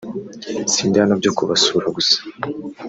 sindi hano byo kubasura gusa